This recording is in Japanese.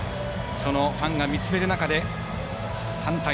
そのファンが見つめる中で３対０。